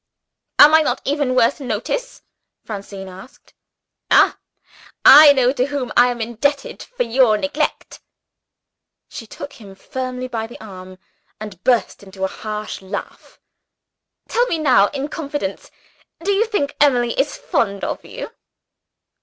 "Am I not even worth notice?" Francine asked. "Ah, I know to whom I am indebted for your neglect!" She took him familiarly by the arm, and burst into a harsh laugh. "Tell me now, in confidence do you think Emily is fond of you?"